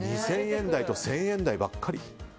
２０００円台と１０００円台ばっかり。